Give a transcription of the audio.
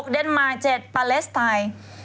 ๖เดนมาร์๗ปาเลสไทย